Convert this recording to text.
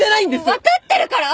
分かってるから！